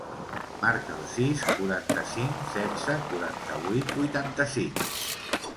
Marca el sis, quaranta-cinc, setze, quaranta-vuit, vuitanta-cinc.